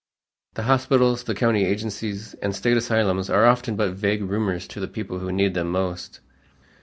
The hospitals, the county agencies, and State asylums are often but vague rumors to the people who need them most.